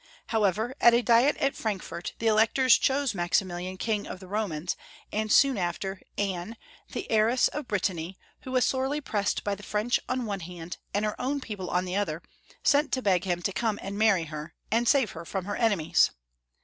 However, at a diet at Frankfort, the Electors chose Maximilian King of the Romans, and soon after, Anne, the heiress of Brittany, who was sorely pressed by the French on one hand, and her own people on the other, sent to beg him to come and marry her, and save her from her enemies.